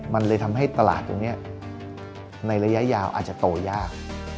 มันเลยทำให้ตลาดตรงนี้ในระยะยาวอาจจะโตยาก